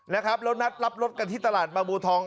นะครับแล้วนัดรับรถกันที่ตลาดบางบูทอง